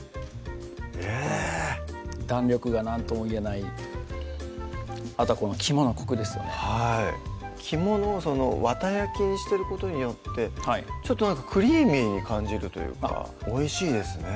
えぇっ弾力が何とも言えないあとは肝のコクですよねはい肝のわた焼きにしてることによってちょっとクリーミーに感じるというかおいしいですね